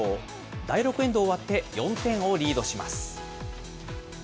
第６エンドを終わって４点をリードします。